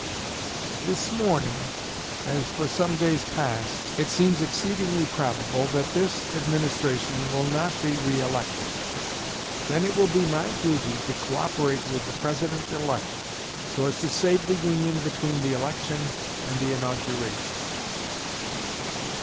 This morning, as for some days past, it seems exceedingly probable that this administration will not be re elected. Then it will be my duty to co operate with the President elect so as to save the Union between the election and the inauguration.